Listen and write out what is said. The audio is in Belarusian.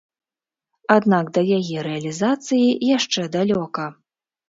Аднак да яе рэалізацыі яшчэ далёка.